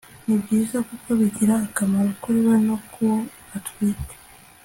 ni byiza kuko bigira akamaro kuri we no ku wo atwitwe